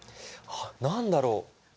あ何だろう？